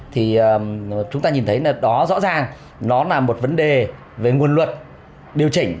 thì chúng ta nhìn thấy là đó rõ ràng nó là một vấn đề về nguồn luật điều chỉnh